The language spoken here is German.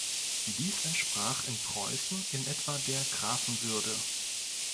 Dies entsprach in Preußen in etwa der Grafenwürde.